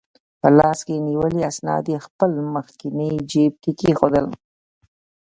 په لاس کې نیولي اسناد یې خپل مخکني جیب کې کېښوول.